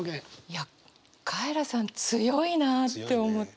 いやカエラさん強いなって思った。